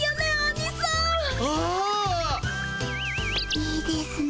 いいですね